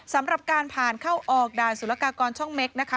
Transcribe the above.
สำหรับการผ่านเข้าออกด่านสุรกากรช่องเม็กนะคะ